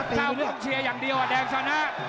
ถ้าต้องเชียร์อย่างเดียวแดงชนะ